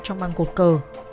trong băng cột cờ